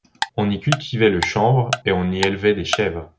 On y cultivait le chanvre et on y élevait des chèvres.